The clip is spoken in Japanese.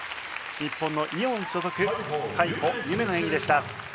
日本のイオン所属海保結愛の演技でした。